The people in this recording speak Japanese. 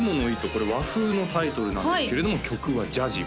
これ和風のタイトルなんですけれども曲はジャジー